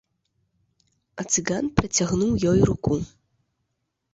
А цыган працягнуў ёй руку.